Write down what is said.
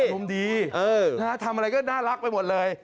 อารมณ์ดีถ้าทำอะไรก็น่ารักไปหมดเลย